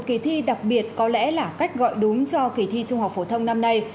kỳ thi đặc biệt có lẽ là cách gọi đúng cho kỳ thi trung học phổ thông năm nay